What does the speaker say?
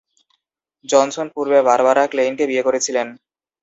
Johnson পূর্বে Barbara ক্লেইনকে বিয়ে করেছিলেন।